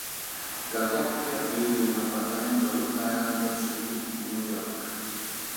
La coppia vive in un appartamento a Long Island City, New York.